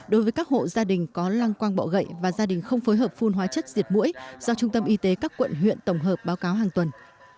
đối với các hộ gia đình có lăng quang bọ gậy và gia đình không phối hợp phun hóa chất diệt mũi do trung tâm y tế các quận huyện tổng hợp báo cáo hàng tuần